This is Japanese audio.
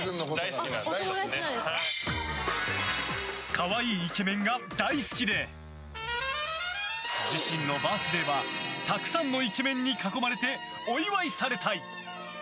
可愛いイケメンが大好きで自身のバースデーはたくさんのイケメンに囲まれてお祝いされたい！